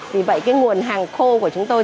vì vậy nguồn hàng khô của chúng tôi